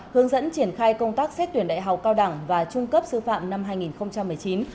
hướng dẫn triển khai công tác xét tuyển đại học cao đẳng và trung cấp sư phạm năm hai nghìn một mươi chín